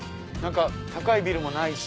高いビルもないし。